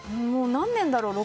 何年だろう。